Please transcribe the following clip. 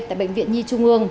tại bệnh viện nhi trung ương